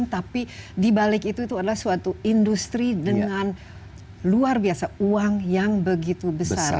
tapi dibalik itu adalah suatu industri dengan luar biasa uang yang begitu besar